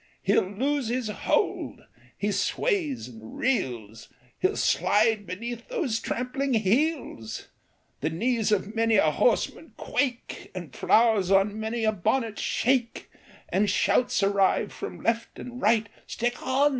m' r^*^ TV? How the Old Horse Won He '11 lose his hold — he sways and reels — He '11 slide beneath those trampling heels ! The knees of many a horseman quake, The flowers on many a bonnet shake, And shouts arise from left and right, "Stick on!